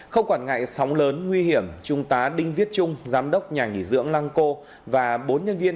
không quản ngại sóng lớn nguy hiểm trung tá đinh viết trung giám đốc nhà nghỉ dưỡng lăng cô và bốn nhân viên